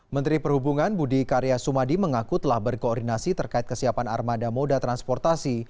menteri perhubungan budi karya sumadi mengaku telah berkoordinasi terkait kesiapan armada moda transportasi